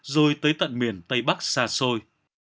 rồi tới tận miền tây bắc xa xôi